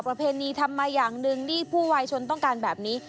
ประเพณีทำมาอย่างหนึ่งที่ผู้วายชนต้องการแบบนี้